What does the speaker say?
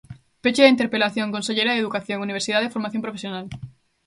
Peche da interpelación, conselleira de Educación, Universidade e Formación Profesional.